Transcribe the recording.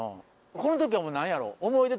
この時はもう何やろ。